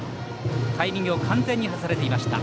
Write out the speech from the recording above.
タイミング完全に外れていました。